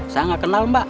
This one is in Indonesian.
saya nggak kenal mbak